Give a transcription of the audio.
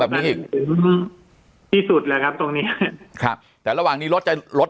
แบบนี้ที่สุดแล้วครับตรงนี้ครับแต่ระหว่างนี้รถจะรถ